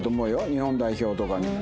日本代表とかにも。